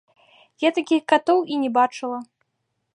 Я такіх катоў і не бачыла.